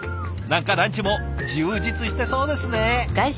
何かランチも充実してそうですね。